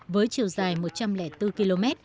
với chiều dài một trăm linh bốn km